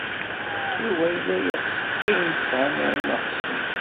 Yuba yella yeɣs ayen tesɛa Naɛima u Ḥsen.